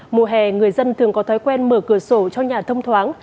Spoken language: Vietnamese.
mùa hè người dân thường có thói quen mở cửa sổ cho nhà thông thoáng